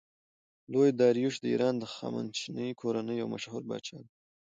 لوی داریوش د ایران د هخامنشي کورنۍ یو مشهور پادشاه دﺉ.